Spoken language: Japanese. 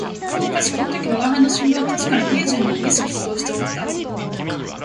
しかしこの時吾輩の心臓はたしかに平時よりも烈しく鼓動しておった